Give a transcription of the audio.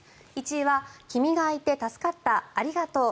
１位は君がいて助かった、ありがとう。